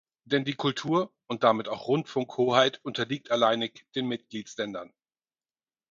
Denn die Kultur- und damit auch Rundfunkhoheit unterliegt alleinig den Mitgliedsländern.